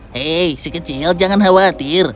hei si kecil jangan khawatir